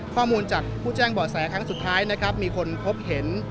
ข้อมูลจากผู้แจ้งบ่อแสครั้งสุดท้ายนะครับมีคนพบเห็น